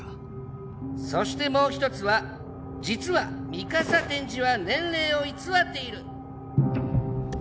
そしてもう一つは実は美笠天智は年齢を偽っている。